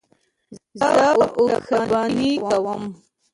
زه اوښبهني کوم.